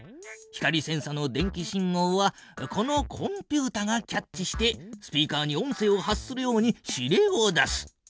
光センサの電気信号はこのコンピュータがキャッチしてスピーカーに音声を発するように指令を出す。